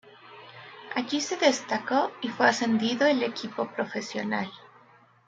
Allí se destacó y fue ascendido el equipo profesional.